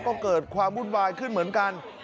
ก็เกิดความวุ่นวายขึ้นเหมือนกัน